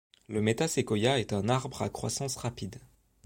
Le metaséquoia est un arbre à croissance rapide.